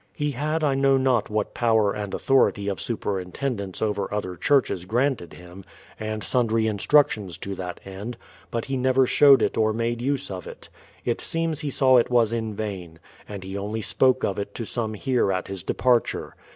He had I know not what power and authority of superintendence over other churches granted him, and sundry instructions to that end ; but he never showed it or made use of it. It seems he saw it was in vain, and he only spoke of it to some here at his departure.